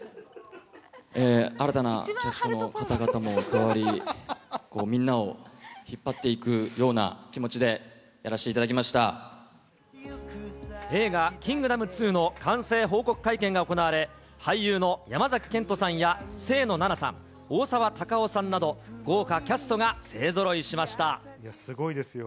新たなキャストの方々も加わり、みんなを引っ張っていくような気持ちでやらしていただきまし映画、キングダム２の完成報告会見が行われ、俳優の山崎賢人さんや清野菜名さん、大沢たかおさんなど、豪華キいや、すごいですよ。